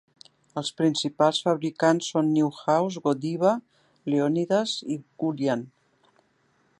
Els principals fabricants són Neuhaus, Godiva, Leonidas i Guylian.